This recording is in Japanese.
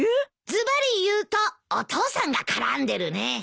ずばり言うとお父さんが絡んでるね。